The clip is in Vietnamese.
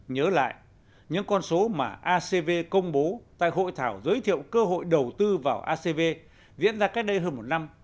nhớ lại những con số mà acv công bố tại hội thảo giới thiệu cơ hội đầu tư vào acv diễn ra cách đây hơn một năm